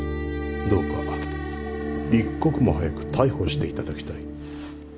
どうか一刻も早く逮捕していただきたい。